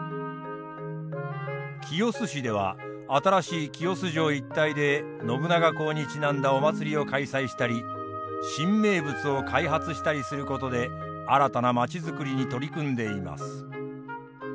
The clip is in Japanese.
清須市では新しい清洲城一帯で信長公にちなんだお祭りを開催したり新名物を開発したりすることで新たな街づくりに取り組んでいます。